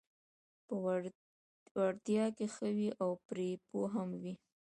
په وړتیا کې ښه وي او پرې پوه هم وي: